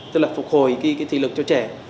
tức là phục hồi cái thị lực cho trẻ